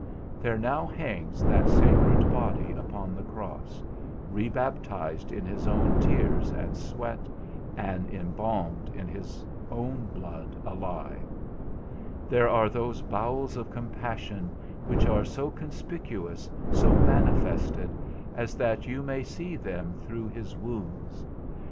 There now hangs that sacred body upon the cross, rebaptized in his own tears, and sweat, and embalmed in his own blood alive. There are those bowels of compassion which are so conspicuous, so manifested, as that you may see them through his wounds.